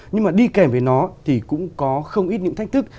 nhưng mà đi kèm với nó thì cũng có không ít những thách thức